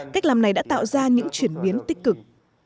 cách làm này đã tạo ra những chuyển biến tích cực